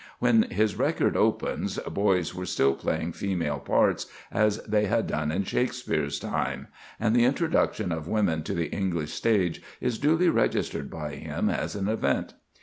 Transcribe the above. When his record opens, boys were still playing female parts, as they had done in Shakspere's time, and the introduction of women to the English stage is duly registered by him as an event.